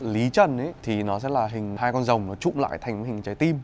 lý trần thì nó sẽ là hình hai con rồng nó trụm lại thành hình trái tim